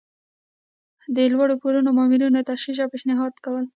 د لوړ پوړو مامورینو تشخیص او پیشنهاد کول.